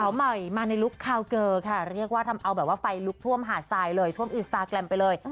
ใหม่มาในลุคคาวเกอร์ค่ะเรียกว่าทำเอาแบบว่าไฟลุกท่วมหาดทรายเลยท่วมอินสตาแกรมไปเลย